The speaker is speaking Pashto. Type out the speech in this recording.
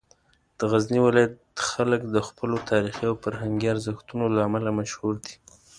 د غزني ولایت خلک د خپلو تاریخي او فرهنګي ارزښتونو له امله مشهور دي.